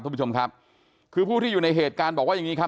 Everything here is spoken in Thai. คุณผู้ชมครับคือผู้ที่อยู่ในเหตุการณ์บอกว่าอย่างงี้ครับ